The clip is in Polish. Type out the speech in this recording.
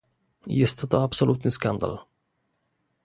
Jest to absolutny skandal